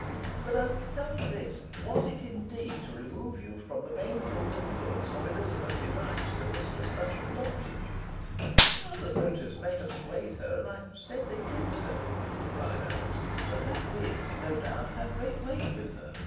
But oh! tell me this! Was it, indeed, to remove you from the baneful influence of Elizabeth Device that Mistress Nutter adopted you?" "Other motives may have swayed her, and I have said they did so," replied Alizon; "but that wish, no doubt, had great weight with her.